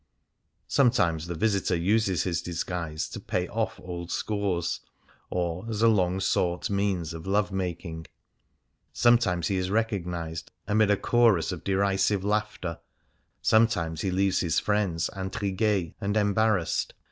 Some times the visitor uses his disguise to pay off old iig Things Seen in Venice scores, or as a long sought means of love making; sometimes he is recognized amid a chorus of derisive laughter ; sometimes he leaves his friends mtrigiies and embarrassed.